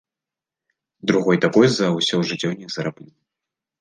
Другой такой за ўсё жыццё не зраблю.